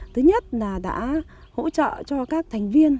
thứ nhất là đã hỗ trợ cho các thành viên